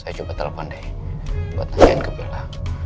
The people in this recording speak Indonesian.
saya coba telepon deh buat nanyain ke bella